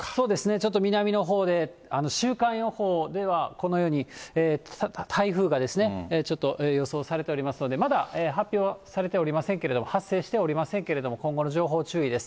ちょっと南のほうで、週間予報ではこのように、台風がちょっと予想されておりますので、まだ発表はされておりませんけれども、発生しておりませんけれども、今後の情報注意です。